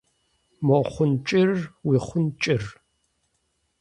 Мо хъун кӏырыр уи хъун кӏыр?